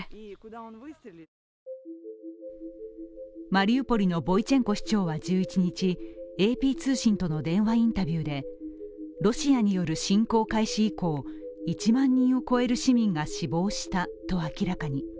マリウポリのボイチェンコ市長は１１日、ＡＰ通信との電話インタビューでロシアによる侵攻開始以降、１万人を超える市民が死亡したと明らかに。